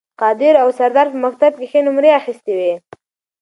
قادر او سردار په مکتب کې ښې نمرې اخیستې وې